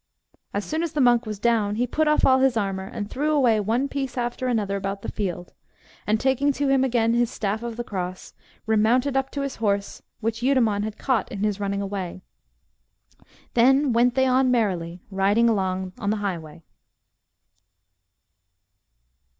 As soon as the monk was down, he put off all his armour, and threw away one piece after another about the field, and, taking to him again his staff of the cross, remounted up to his horse, which Eudemon had caught in his running away. Then went they on merrily, riding along on the highway.